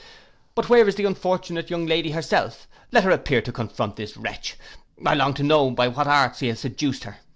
But where is the unfortunate young lady herself: let her appear to confront this wretch, I long to know by what arts he has seduced her.